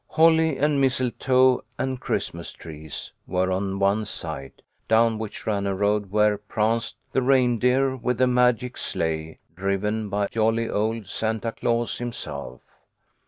Holly and mistletoe and Christmas trees were on one side, down which ran a road where pranced the reindeer with the magic sleigh, driven by jolly old Santa Claus himself.